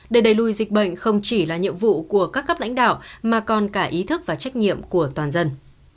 để đẩy lùi dịch bệnh không chỉ là nhiệm vụ của các cấp lãnh đạo mà còn cả ý thức và trách nhiệm của toàn dân